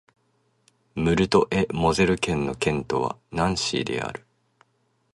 ムルト＝エ＝モゼル県の県都はナンシーである